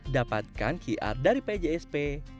dapatkan qr dari pjsp